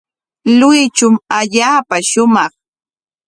Luychum allaapa shumaq.